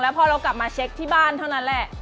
พอเรากลับมาเช็คที่บ้านเท่านั้นแหละ